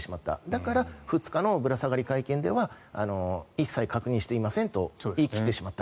だから２日のぶら下がり会見では一切確認していませんと言い切ってしまった。